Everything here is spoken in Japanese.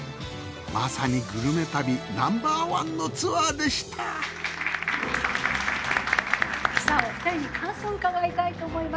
まさにグルメ旅ナンバー１のツアーでしたさぁお二人に感想を伺いたいと思います。